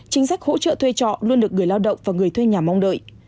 chính xác hỗ trợ thuê trọ luôn được gửi lao động và người thuê nhà mong đợi